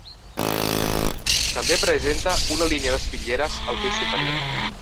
També presenta una línia d'espitlleres al pis superior.